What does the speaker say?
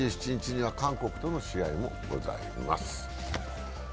２７日には韓国との試合もございます。